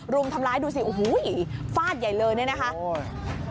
รุมทำร้ายดูสิโอ้โหฟาดใหญ่เลยเนี่ยนะคะโอ้ย